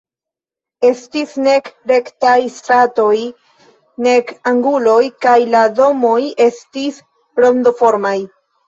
Estis nek rektaj stratoj nek anguloj kaj la domoj estis rondoformaj.